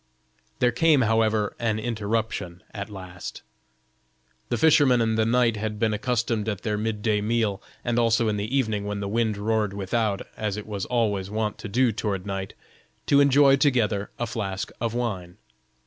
There came, however, an interruption at last. The fisherman and the knight had been accustomed at their mid day meal, and also in the evening when the wind roared without, as it was always wont to do toward night, to enjoy together a flask of wine.